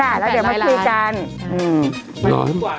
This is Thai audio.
๑๘๐๐ล้านค่ะแล้วเดี๋ยวมาคือกันอืม๑๘๐๐ล้าน